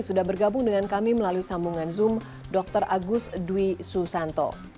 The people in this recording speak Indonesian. sudah bergabung dengan kami melalui sambungan zoom dr agus dwi susanto